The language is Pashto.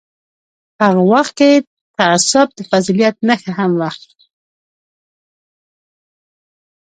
په هغه وخت کې تعصب د فضیلت نښه هم وه.